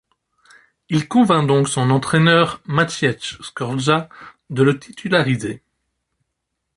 Il convainc donc son entraîneur Maciej Skorża de le titulariser.